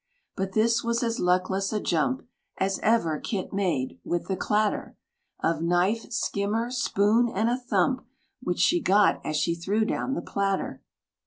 But this was as luckless a jump As ever Kit made, with the clatter Of knife, skimmer, spoon, and a thump, Which she got, as she threw down the platter.